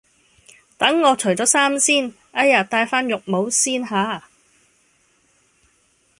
等我除衫先，哎呀戴返頂浴帽先吓